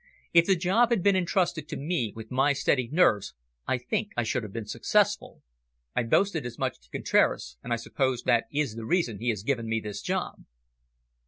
If the job had been entrusted to me, with my steady nerves, I think I should have been successful. I boasted as much to Contraras, and I suppose that is the reason he has given me this job."